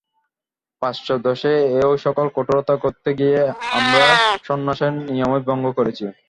পাশ্চাত্যদেশে এই-সকল কঠোরতা করতে গিয়ে আমরা সন্ন্যাসের নিয়মই ভঙ্গ করেছি।